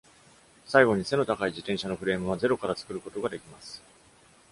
最後に、背の高い自転車のフレームはゼロから作ることができます。